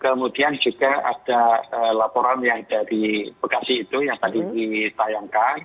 kemudian juga ada laporan yang dari bekasi itu yang tadi ditayangkan